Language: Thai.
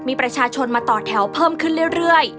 มีประชาชนมาต่อแถวเพิ่มขึ้นเรื่อย